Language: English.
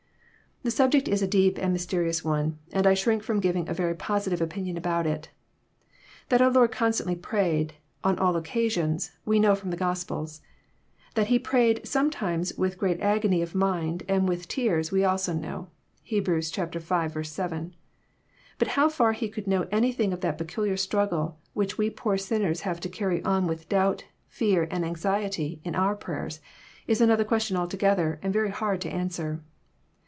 The subject is a deep and mysterious one, and I shrink fi'om giving a very positive opinion about it. That our Lord con stantly prayed, on all occasions, we know trom the Gospels. That He prayed sometimes with great agony of mind and with tears, we also know. (Heb. v. 7.) But how far He could know anything of that peculiar struggle which we poor sinners have to carry on with doubt, fear, and anxiety, in our prayers is another question altogether, and very hard to answer.